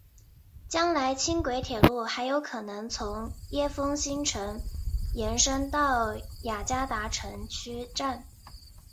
将来轻轨铁路还有可能从椰风新城延伸到雅加达城区站。